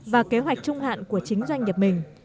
và kế hoạch trung hạn của chính doanh nghiệp mình